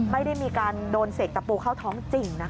ไม่ได้มีการโดนเสกตะปูเข้าท้องจริงนะคะ